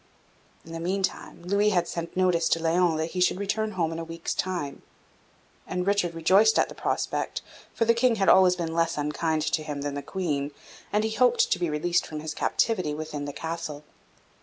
In the meantime, Louis had sent notice to Laon that he should return home in a week's time; and Richard rejoiced at the prospect, for the King had always been less unkind to him than the Queen, and he hoped to be released from his captivity within the Castle.